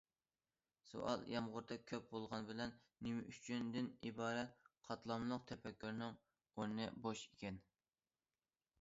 سوئال يامغۇردەك كۆپ بولغان بىلەن« نېمە ئۈچۈن» دىن ئىبارەت قاتلاملىق تەپەككۇرنىڭ ئورنى بوش ئىكەن.